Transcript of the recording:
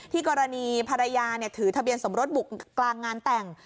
กรณีภรรยาถือทะเบียนสมรสบุกกลางงานแต่ง